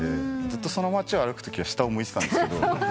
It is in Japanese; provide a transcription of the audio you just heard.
ずっとその町を歩くときは下を向いてたんですけど。